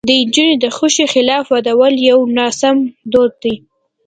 د نجونو د خوښې خلاف ودول یو ناسم دود دی.